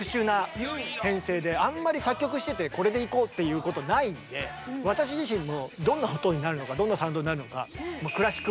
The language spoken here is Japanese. あんまり作曲しててこれでいこうっていうことないんで私自身もどんな音になるのかどんなサウンドになるのか。